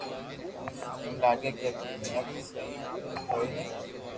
ايم لاگي ڪي تو مينک سھي ڪوئي ني